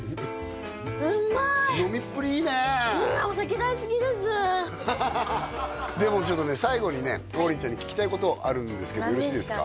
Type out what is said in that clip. うまい飲みっぷりいいねお酒大好きですで最後にね王林ちゃんに聞きたいことあるんですけどよろしいですか？